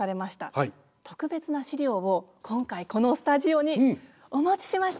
特別な資料を今回このスタジオにお持ちしました。